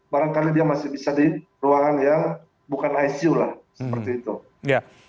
barangkali dia masih bisa di ruangan yang bukan icu lah seperti itu